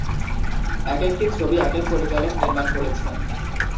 একেকটি ছবি একেক পরিচালক নির্মাণ করেছেন।